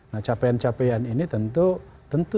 nah capaian capaian ini tentu